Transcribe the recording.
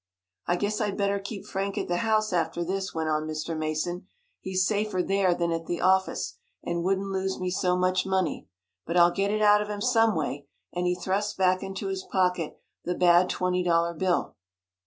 "I guess I'd better keep Frank at the house after this," went on Mr. Mason. "He's safer there than at the office, and wouldn't lose me so much money. But I'll get it out of him, some way," and he thrust back into his pocket the bad twenty dollar bill.